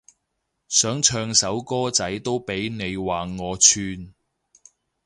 想唱首歌仔都俾你話我串